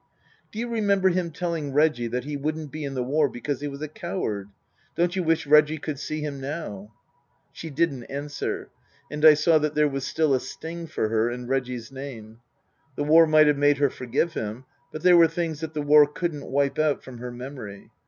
" Do you remember him telling Reggie that he wouldn't be in the war because he was a coward ? Don't you wish Reggie could see him now ?" She didn't answer, and I saw that there was still a sting for her in Reggie's name. The war might have made her forgive him, but there were things that the war couldn't wipe out from her memory.